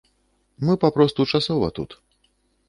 Мы папросту часова тут.